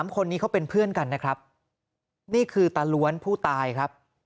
คนนี้เขาเป็นเพื่อนกันนะครับนี่คือตาล้วนผู้ตายครับ